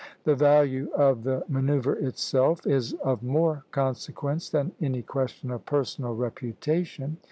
The value of the manoeuvre itself is of more consequence than any question of personal reputation.